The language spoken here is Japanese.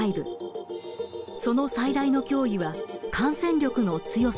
その最大の脅威は感染力の強さです。